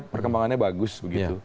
perkembangannya bagus begitu